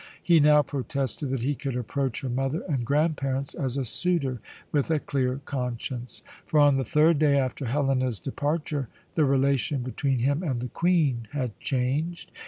He now protested that he could approach her mother and grandparents as a suitor with a clear conscience; for on the third day after Helena's departure the relation between him and the Queen had changed.